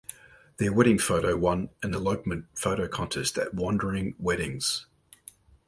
Their wedding photo won an elopement photo contest at Wandering Weddings.